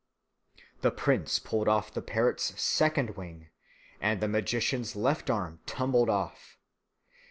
The prince pulled off the parrot's second wing, and the magician's left arm tumbled off.